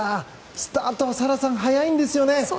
スタート、サラさん速いんですよね。